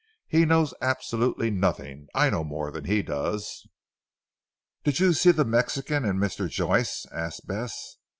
"He knows absolutely nothing. I know more than he does." "Did you see the Mexican and Mr. Joyce?" asked Bess.